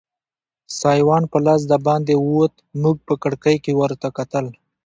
سایوان په لاس دباندې ووت، موږ په کړکۍ کې ورته کتل.